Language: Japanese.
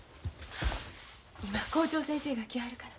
今校長先生が来はるから。